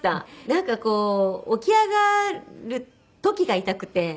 なんかこう起き上がる時が痛くて。